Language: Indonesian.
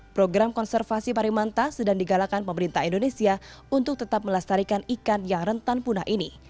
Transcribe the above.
program konservasi parimanta sedang digalakan pemerintah indonesia untuk tetap melestarikan ikan yang rentan punah ini